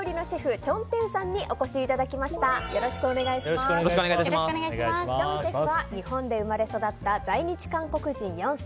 チョンシェフは日本で生まれ育った在日韓国人４世。